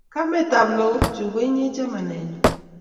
Kametap lakak chu ko inye chamanenyu